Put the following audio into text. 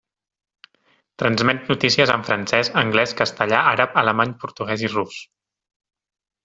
Transmet notícies en francès, anglès, castellà, àrab, alemany, portuguès i rus.